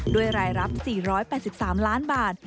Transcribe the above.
ด้วยรายรับ๔๘๓ล้านบาท